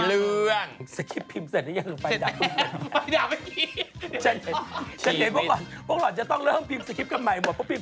เดี๋ยว๓ทุ่มมาเจอกันอีกครั้งปิ๊ม